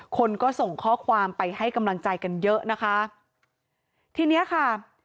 คนก็ส่งข้อความไปให้กำลังใจกันเยอะนะคะทีเนี้ยค่ะ